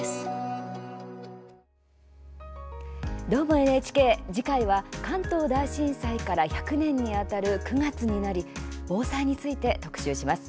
「どーもＮＨＫ」次回は関東大震災から１００年にあたる９月になり防災について特集します。